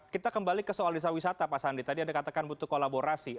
kita kembali ke soal desa wisata pak sandi tadi anda katakan butuh kolaborasi